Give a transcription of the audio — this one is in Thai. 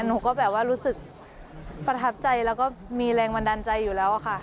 หนูก็แบบว่ารู้สึกประทับใจแล้วก็มีแรงบันดาลใจอยู่แล้วค่ะ